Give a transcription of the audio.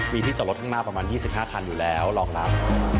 มีที่จอดรถข้างหน้าประมาณ๒๕คันอยู่แล้วรองรับ